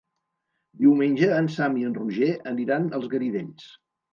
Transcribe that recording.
Diumenge en Sam i en Roger aniran als Garidells.